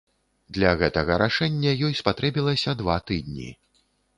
Для гэтага рашэння ёй спатрэбілася два тыдні.